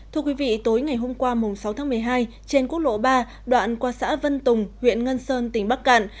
thưa quý vị tối ngày hôm qua sáu tháng một mươi hai trên quốc lộ ba đoạn qua xã vân tùng huyện ngân sơn tỉnh bắc cạn